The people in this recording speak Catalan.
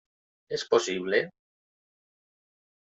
És possible?